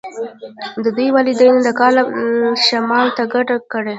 د دوی والدینو د کار لپاره شمال ته کډه کړې